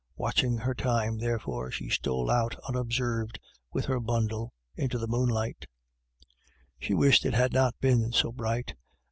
Watching her time, therefore, she stole out unob served with her bundle into the moonlight She wished it had not been so bright.